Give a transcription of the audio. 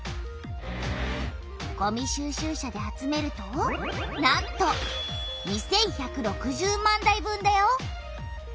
ごみ収集車で集めるとなんと２１６０万台分だよ！